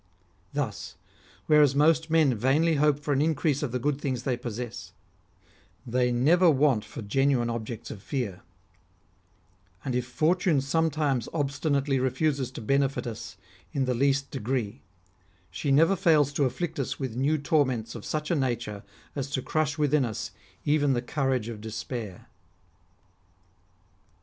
Thus, whereas most men vainly hope for an increase of the good things they possess, they never want for genuine objects of fear; and if Fortune sometimes obstinately refuses to benefit us in the least degree, she never fails to afflict us with new torments of such a nature as to crush within us even the courage of despair.